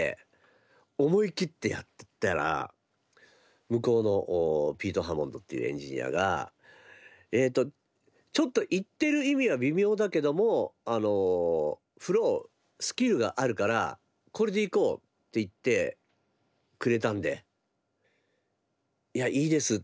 思い切ってやったら向こうのピート・ハモンドっていうエンジニアがえとちょっと言ってる意味が微妙だけどもフロースキルがあるからこれでいこうって言ってくれたんでいやいいです